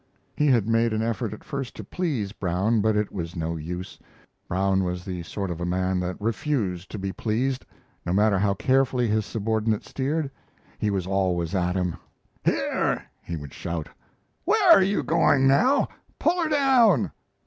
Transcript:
He had made an effort at first to please Brown, but it was no use. Brown was the sort of a man that refused to be pleased; no matter how carefully his subordinate steered, he as always at him. "Here," he would shout, "where are you going now? Pull her down!